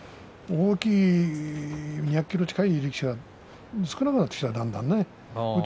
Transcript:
２００ｋｇ近い力士が少なくなってきたね、だんだん。